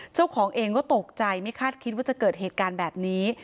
เจ้าของเองก็ตกใจไม่คาดคิดว่าจะเกิดเหตุการณ์แบบนี้